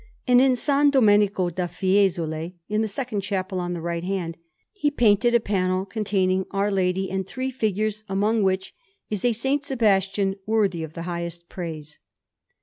And in S. Domenico da Fiesole, in the second chapel on the right hand, he painted a panel containing Our Lady and three figures, among which is a S. Sebastian worthy of the highest praise.